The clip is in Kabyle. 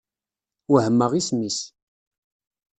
Wehmeɣ isem-is.